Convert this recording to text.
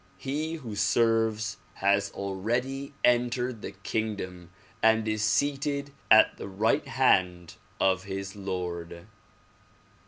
He who serves has already entered the kingdom and is seated at the right hand of his Lord.